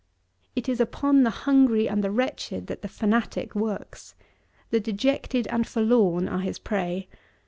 It is upon the hungry and the wretched that the fanatic works. The dejected and forlorn are his prey.